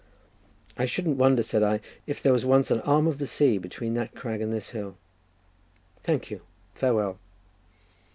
"I shouldn't wonder," said I, "if there was once an arm of the sea between that crag and this hill. Thank you! Farewell!"